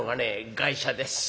外車です。